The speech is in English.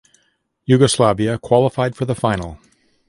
Yugoslavia qualified for the final.